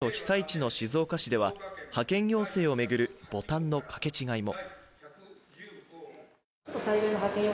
静岡県と被災地の静岡市では派遣要請を巡るボタンの掛け違いも。